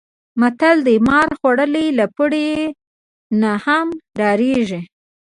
متل دی: مار خوړلی له پړي نه هم ډارېږي.